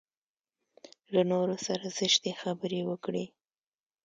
له نورو سره زشتې خبرې وکړي.